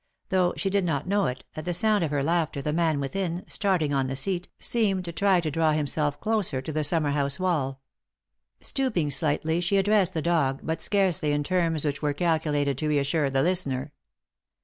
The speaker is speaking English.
Though she did not know it, at the sound of her laughter the man within, starting on the seat, seemed to try to draw himself closer to the summer house wall. Stooping slightly she addressed the dog, but scarcely in terms which were calculated to reassure the listener.